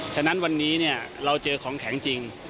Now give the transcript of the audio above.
ฉะนั้นวันนี้เราเจอของแข็งจริง